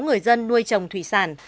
người dân nuôi trồng thủy sản